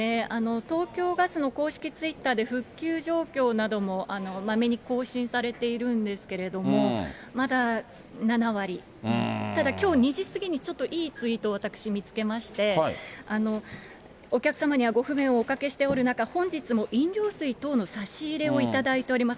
東京ガスの公式ツイッターで、復旧状況などもまめに更新されているんですけれども、まだ７割、ただきょう２時過ぎに、ちょっといいツイートを私、見つけまして、お客様にはご不便をおかけしておる中、本日も飲料水等の差し入れを頂いております。